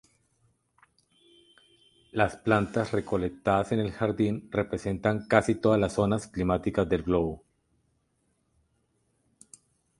Las plantas recolectadas en el jardín representan casi todas las zonas climáticas del globo.